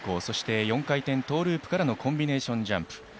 そして４回転トーループからのコンビネーションジャンプ。